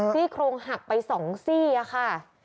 ที่โครงหักไปสองซี่อ่ะค่ะ